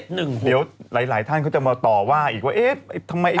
เดี๋ยวหลายท่านเขาจะมาต่อว่าอีกว่าเอ๊ะทำไม